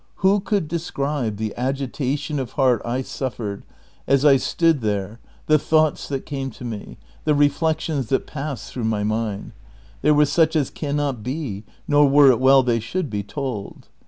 Who could describe the agitation of heart I suffered as I stood there — the thoughts that came to me — the reflections that j^assed through my mind? They were such as can not be, nor were it well they should be, told.